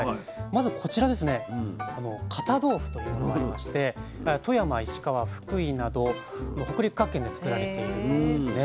まずこちらですね堅豆腐というものがありまして富山石川福井など北陸各県で作られているんですね。